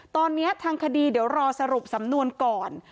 ตอนนี้ทางคดีเดี๋ยวรอสรุปสำนวนก่อน